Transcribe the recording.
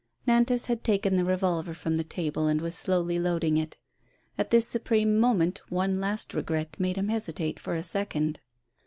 Nantas had taken the revolver from the table, and was slowly loading it. At this supreme moment one last regret made him hesitate for a second.